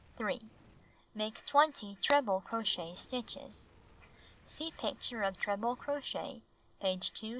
Make 20 treble crochet stitches. (See picture of treble crochet, page 228.)